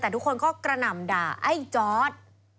แต่ทุกคนก็กระหน่ำด่าไอ้จอร์ด